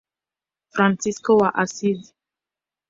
Fransisko wa Asizi.